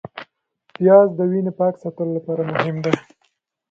پیاز د وینې پاک ساتلو لپاره مهم دی